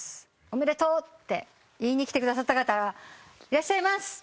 「おめでとう」って言いに来てくださった方いらっしゃいます。